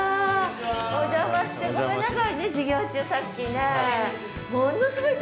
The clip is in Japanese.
お邪魔してごめんなさいね授業中さっきね。